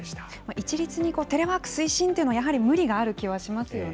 一律にテレワーク推進というのはやはりむりがある気はしますよね。